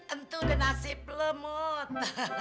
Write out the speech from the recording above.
itu udah nasib lu mut